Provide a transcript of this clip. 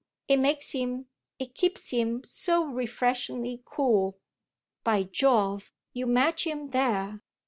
It makes him, it keeps him, so refreshingly cool." "By Jove, you match him there!